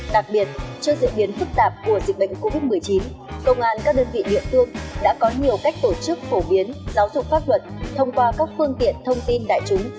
đặc biệt trước diễn biến phức tạp của dịch bệnh covid một mươi chín công an các đơn vị địa phương đã có nhiều cách tổ chức phổ biến giáo dục pháp luật thông qua các phương tiện thông tin đại chúng